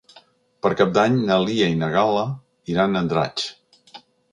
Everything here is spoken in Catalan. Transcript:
Per Cap d'Any na Lia i na Gal·la iran a Andratx.